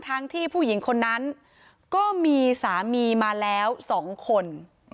ทั้งที่ผู้หญิงคนนั้นก็มีสามีมาแล้ว๒คน